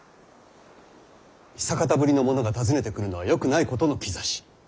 久方ぶりの者が訪ねてくるのはよくないことの兆し。